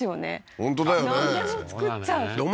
本当だよね